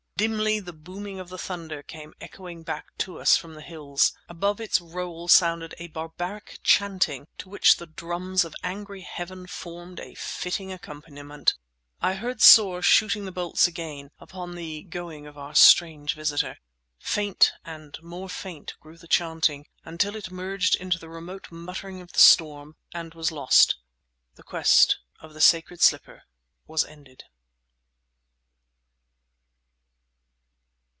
Dimly the booming of the thunder came echoing back to us from the hills. Above its roll sounded a barbaric chanting to which the drums of angry heaven formed a fitting accompaniment. I heard Soar shooting the bolts again upon the going of our strange visitor. Faint and more faint grew the chanting, until it merged into the remote muttering of the storm—and was lost. The quest of the sacred slipper was ended.